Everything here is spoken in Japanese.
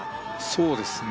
そうですね